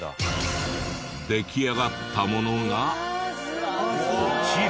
出来上がったものがこちら。